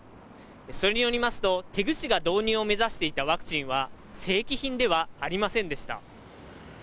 それによりますと、テグ市が導入を目指していたワクチンは、正規品ではありませんでした。